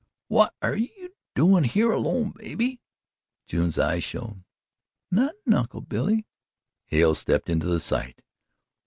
"What air ye doin' here alone, baby?" June's eyes shone: "Nothing Uncle Billy." Hale stepped into sight.